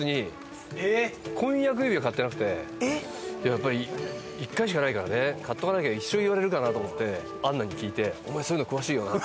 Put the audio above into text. やっぱり１回しかないからね買っておかなきゃ一生言われるかなと思ってアンナに聞いて「お前そういうの詳しいよな！？」